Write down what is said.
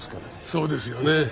そうですよね。